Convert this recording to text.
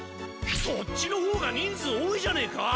そっちのほうが人数多いじゃねえか！